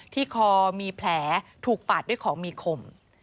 ที่คอมีแผลถูกปาดด้วยของมีคม